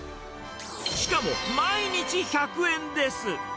しかも毎日１００円です。